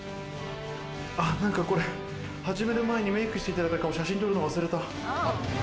あっ、これ始める前にメイクしていただいた顔、写真撮るの忘れた。